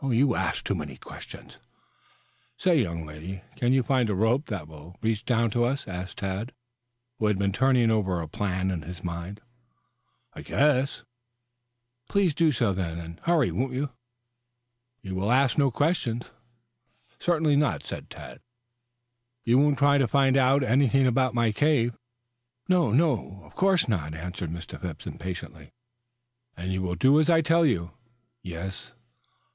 "You ask too many questions." "Say, young lady, can you find a rope that will reach down to us?" asked Tad, who had been turning over a plan in his mind. "I guess." "Please do so then. And hurry, won't you?" "You will ask no questions?" "Certainly not!" "You won't try to find out anything about my cave?" "No, no, of course not," answered Mr. Phipps impatiently. "And you will do as I tell you?" "Yes."